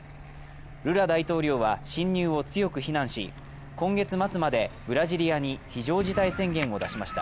ルラ大統領は侵入を強く非難し今月末までブラジリアに非常事態宣言を出しました